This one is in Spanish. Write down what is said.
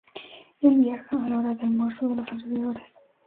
Él viaja, a la hora de almuerzo de los alrededores.